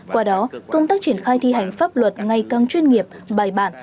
qua đó công tác triển khai thi hành pháp luật ngày càng chuyên nghiệp bài bản